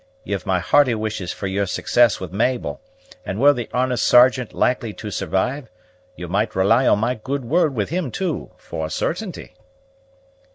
Ye've my hearty wishes for yer success with Mabel; and were the honest Sergeant likely to survive, ye might rely on my good word with him, too, for a certainty."